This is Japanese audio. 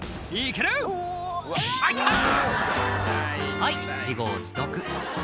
はい自業自得